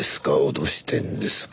脅してんですか？